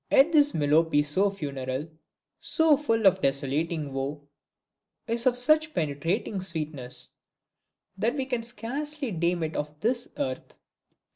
Yet this Melopee so funereal, so full of desolating woe, is of such penetrating sweetness, that we can scarcely deem it of this earth.